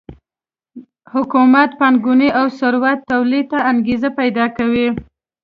حکومت پانګونې او ثروت تولید ته انګېزه پیدا کوي